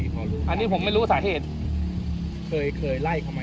แต่ผมไม่เห็นไอคนถือเหล็กนะ